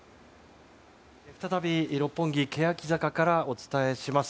再び六本木けやき坂からお伝えします。